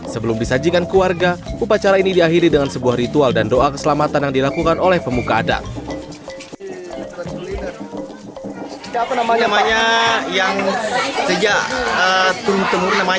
sebelum disajikan keluarga upacara ini diakhiri dengan sebuah ritual dan doa keselamatan yang dilakukan oleh pemuka adat